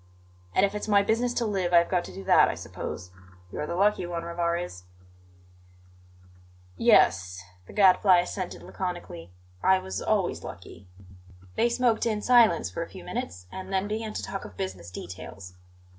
"And if it's my business to live, I have got to do that, I suppose. You're the lucky one, Rivarez." "Yes," the Gadfly assented laconically; "I was always lucky." They smoked in silence for a few minutes, and then began to talk of business details.